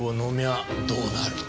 あどうなる？